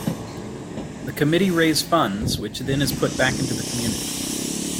The committee raise funds which then is put back into the community.